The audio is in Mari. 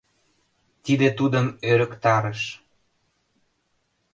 — Тиде тудым ӧрыктарыш.